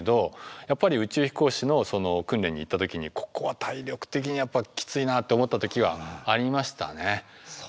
やっぱり宇宙飛行士の訓練に行った時に「ここは体力的にやっぱきついな」と思った時はありましたね。